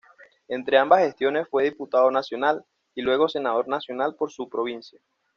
Entre ambas gestiones fue diputado nacional y luego senador nacional por su provincia.